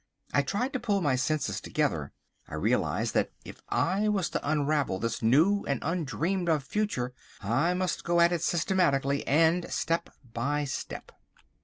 I tried to pull my senses together. I realised that if I was to unravel this new and undreamed of future, I must go at it systematically and step by step.